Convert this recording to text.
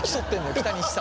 北西さんと！